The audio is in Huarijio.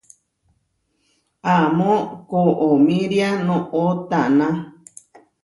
Amó koʼomíria noʼó taná.